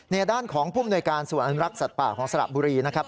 ในด้านของผู้มนวยการส่วนอนุรักษ์สัตว์ป่าของสระบุรีนะครับ